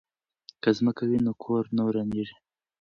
که ځمکه وي نو کور نه ورانیږي.